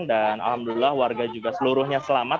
dan alhamdulillah warga juga seluruhnya selamat